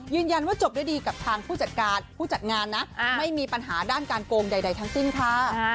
ยืนยันว่าจบได้ดีกับทางผู้จัดงานนะไม่มีปัญหาด้านการโกงใดทั้งสิ้นค่ะ